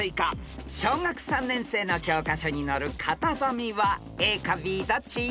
［小学３年生の教科書に載るカタバミはＡかＢどっち？］